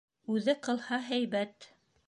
Үҙе ҡылһа һәйбәт.